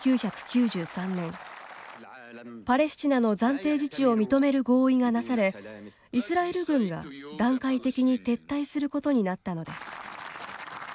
パレスチナの暫定自治を認める合意がなされイスラエル軍が段階的に撤退することになったのです。